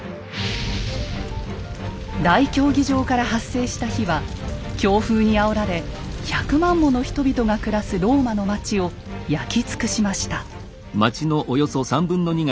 大競技場から発生した火は強風にあおられ１００万もの人々が暮らすローマの町を焼き尽くしました。